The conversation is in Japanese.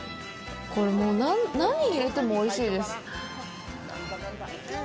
これ、何入れてもおいしいです。